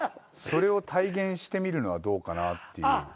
それを体現してみるのはどうかなっていう。